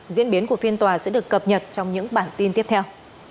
diễn biến của phiên tòa sẽ được cập nhật trong những bản tin tiếp theo